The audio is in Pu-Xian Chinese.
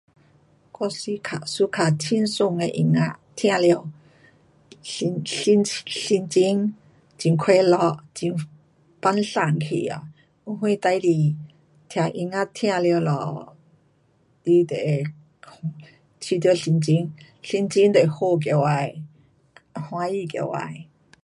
我 [suka] 轻松的音乐听到心情很开心很分散去了什么东西听音乐听了你会心情心情会很好起来开心起来